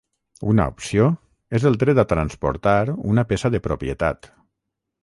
Una opció és el dret a transportar una peça de propietat.